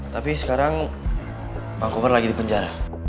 tapi sekarang bang komar lagi di penjara